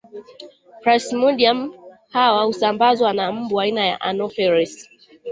Plasmodium hawa husambazwa na mbu aina ya Anofelesi